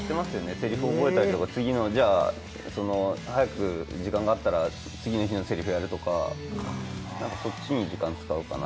せりふを覚えたりとか、時間があったら次の日のせりふやるとか、そっちに時間使うかな。